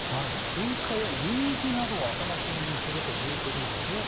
スイカやニンニクなどを頭金にするということなんですね。